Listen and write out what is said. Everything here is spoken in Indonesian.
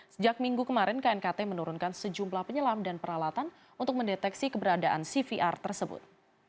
sejak minggu kemarin knkt menurunkan sejumlah penyelam dan peralatan untuk mendeteksi keberadaan cvr tersebut